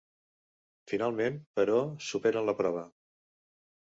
Finalment, però, superen la prova.